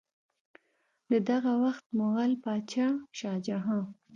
د دغه وخت مغل بادشاه شاه جهان